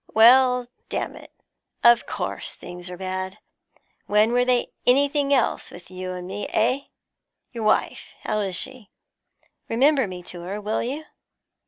Why, damn it, of course things are bad; when were they anything else with you and me, eh? Your wife, how is she? Remember me to her, will you?